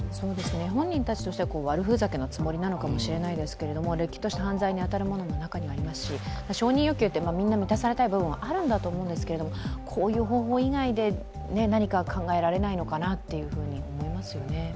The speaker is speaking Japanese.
本人たちとしては悪ふざけのつもりなのかもしれないですけどれっきとした犯罪に当たるものも中にはありますし承認欲求ってみんな満たされたい部分はあると思うんですけど、こういう方法以外で何か考えられないのかなって思いますよね。